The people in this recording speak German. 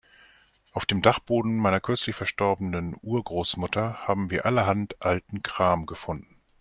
Auf dem Dachboden meiner kürzlich verstorbenen Urgroßmutter haben wir allerhand alten Kram gefunden.